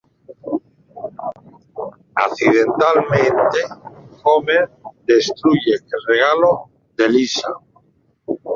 Accidentalmente, Homer destruye el regalo de Lisa.